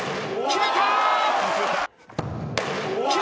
決めた！